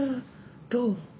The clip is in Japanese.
どう？